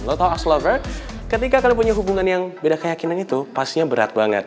lo tau as lover ketika kalian punya hubungan yang beda keyakinan itu pastinya berat banget